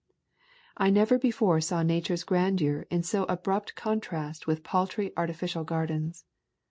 I never before saw Nature's grandeur in so abrupt contrast with paltry artificial gardens.